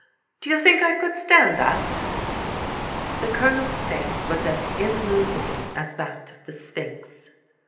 Do you think I could stand that ?" The Colonel's face was as immovable as that of the Sphinx.